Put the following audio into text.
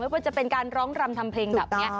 ไม่ว่าจะเป็นการร้องรำทำเพลงแล้ว